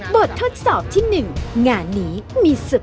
ไม่ทราบ